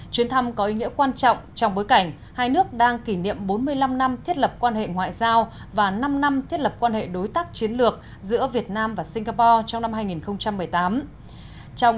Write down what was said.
chuyến thăm có ý nghĩa quan trọng trong bối cảnh hai nước đang kỷ niệm bốn mươi năm năm thiết lập quan hệ ngoại giao và năm năm thiết lập quan hệ đối tác chiến lược giữa việt nam và singapore trong năm hai nghìn một mươi tám